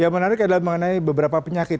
yang menarik adalah mengenai beberapa penyakit